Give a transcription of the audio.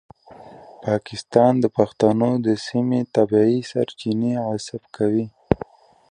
پاکستان د پښتنو د سیمې طبیعي سرچینې غصب کوي.